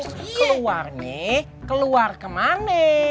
keluarnya keluar ke mana